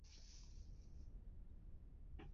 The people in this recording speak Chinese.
蒋姓在中国历史上是一个比较典型的南方姓氏。